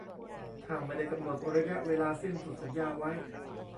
ถ้าไม่ได้กำหนดระยะเวลาสิ้นสุดสัญญาไว้